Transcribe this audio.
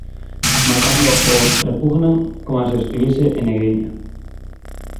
Marcando o "repugnan" coma se o escribise en negriña.